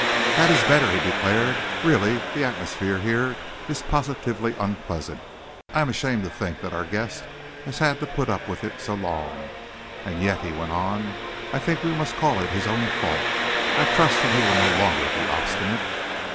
"That is better," he declared. "Really, the atmosphere here is positively unpleasant. I am ashamed to think that our guest has had to put up with it so long. And yet," he went on, "I think we must call it his own fault. I trust that he will no longer be obstinate."